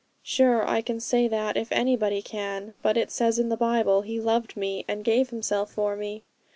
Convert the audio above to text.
Sure I can say that if anybody can. But it says in the Bible, "He loved me, and gave Himself for me."